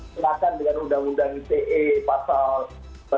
silakan dengan undang undang ite pasal ke tiga